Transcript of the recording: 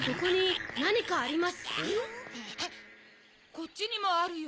こっちにもあるよ。